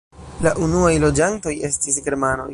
La unuaj loĝantoj estis germanoj.